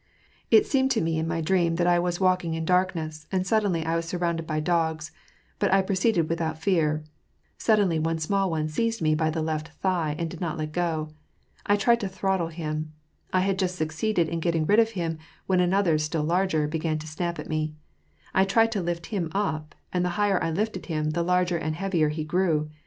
It seemed to me in my dream that I was walking in darkness, and sud denly I was surroimded by dogs; but I proceeded without fear ; suddenly, one small one seized me by the left thigh, and did not let go. I tried to throttle him. And I had just succeeded in getting rid of him, when another, still larger, began to snap at me. I tried to lift him up, and the higher I lifted him, the larger and heavier he grew.